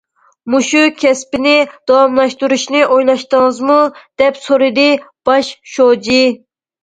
« مۇشۇ كەسىپنى داۋاملاشتۇرۇشنى ئويلاشتىڭىزمۇ؟» دەپ سورىدى باش شۇجى.